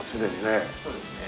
そうですね。